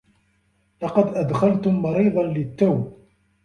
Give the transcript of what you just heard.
لقد أدخلتم مريضا للتّو.